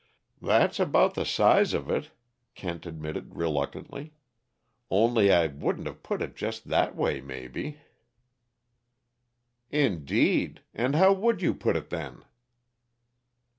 "That's about the size of it," Kent admitted reluctantly. "Only I wouldn't have put it just that way, maybe." "Indeed! And how would you pit it, then?"